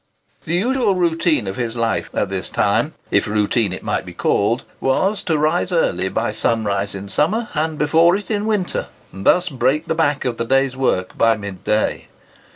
The usual routine of his life at this time—if routine it might be called—was, to rise early, by sunrise in summer and before it in winter, and thus "break the back of the day's work" by mid day.